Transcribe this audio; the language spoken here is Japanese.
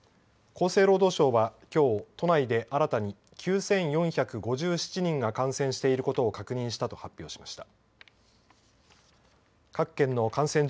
厚生労働省はきょう都内で新たに９４５７人が感染していることを確認したと発表しました。